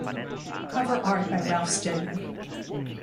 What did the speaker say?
Cover art by Ralph Steadman.